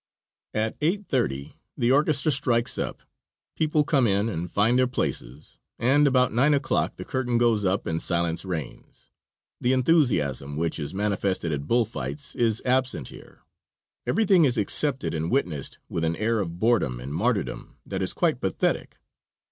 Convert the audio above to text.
At 8.30 the orchestra strikes up, people come in and find their places, and about 9 o'clock the curtain goes up and silence reigns; the enthusiasm which is manifested at bull fights is absent here. Everything is accepted and witnessed with an air of boredom and martyrdom that is quite pathetic.